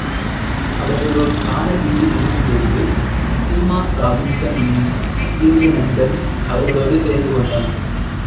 அவர்கள் ஓ கானல் வீட்டில் இருக்கும் பொழுது ஸீமாஸ் ராபின்ஸன் என்னும் உயரிய நண்பன் அவர்களோடு சேர்ந்து கொண்டான்.